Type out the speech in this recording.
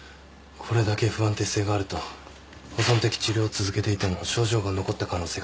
これだけ不安定性があると保存的治療を続けていても症状が残った可能性が強い。